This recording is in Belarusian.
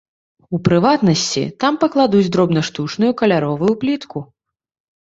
У прыватнасці, там пакладуць дробнаштучную каляровую плітку.